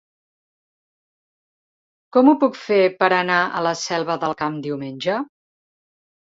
Com ho puc fer per anar a la Selva del Camp diumenge?